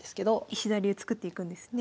石田流作っていくんですね。